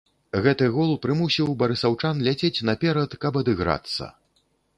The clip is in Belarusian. Гэты гол прымусіў барысаўчан ляцець наперад, каб адыграцца.